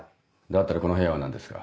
だったらこの部屋は何ですか？